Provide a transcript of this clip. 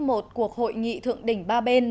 một cuộc hội nghị thượng đỉnh ba bên